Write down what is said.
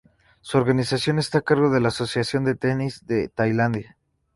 Su organización está a cargo de la Asociación de Tenis de Tailandia.